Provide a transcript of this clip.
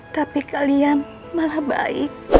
tapi kalian malah baik